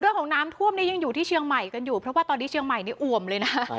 เรื่องของน้ำท่วมนี้ยังอยู่ที่เชียงใหม่กันอยู่เพราะว่าตอนนี้เชียงใหม่นี่อ่วมเลยนะ